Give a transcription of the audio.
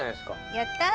やったー！